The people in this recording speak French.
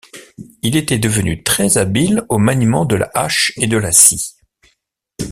Il était devenu très habile au maniement de la hache et de la scie.